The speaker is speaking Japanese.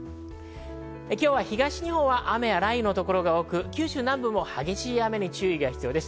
今日は東日本は雨や雷雨の所が多く、九州南部も激しい雨に注意が必要です。